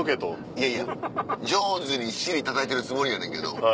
いやいや上手に尻たたいてるつもりやねんけど。